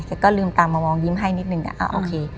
เขาก็ลืมตามามองยิ้มให้นิดนึง